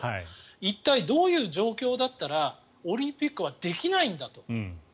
一体、どういう状況だったらオリンピックはできないんだと。